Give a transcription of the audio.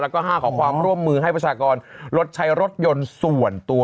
แล้วก็๕ขอความร่วมมือให้ประชากรลดใช้รถยนต์ส่วนตัว